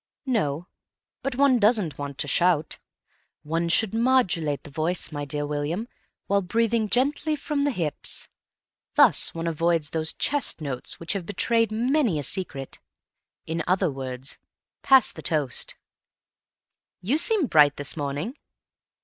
"No. But one doesn't want to shout. One should modulate the voice, my dear William, while breathing gently from the hips. Thus one avoids those chest notes which have betrayed many a secret. In other words, pass the toast." "You seem bright this morning."